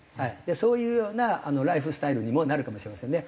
そういうようなライフスタイルにもなるかもしれませんね。